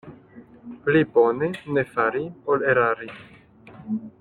Pli bone ne fari, ol erari.